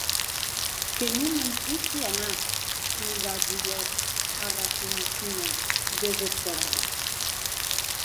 Que non me’n posqui anar, li gasulhèc a Rasumikhine, desesperada.